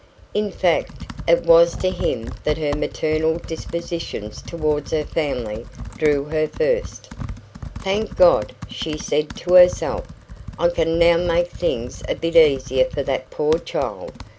In fact, it was to him that her maternal dispositions towards her family drew her first. "Thank God," she said to herself, "I can now make things a bit easier for that poor child.